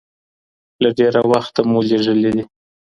له ډيره وخته مو لېږلي دي